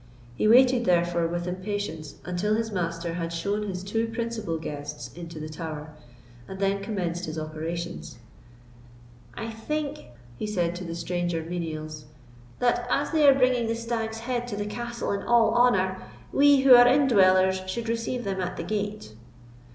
He waited, therefore, with impatience until his master had shown his two principal guests into the Tower, and then commenced his operations. "I think," he said to the stranger menials, "that, as they are bringing the stag's head to the castle in all honour, we, who are indwellers, should receive them at the gate."